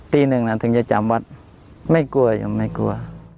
ตีหนึ่งถึงจะจำวัดไม่กลัวยังไม่กลัว